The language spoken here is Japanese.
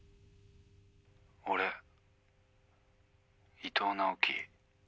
俺伊藤直季。